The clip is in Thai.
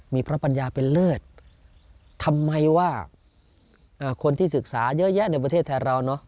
มีพระปัญญาเป็นเลิศทำไมว่าคนที่ศึกษาเยอะแยะในประเทศไทยเราเนอะ